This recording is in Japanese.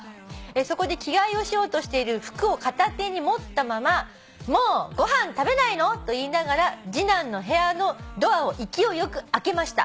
「そこで着替えをしようとしている服を片手に持ったまま『もうご飯食べないの？』と言いながら次男の部屋のドアを勢いよく開けました」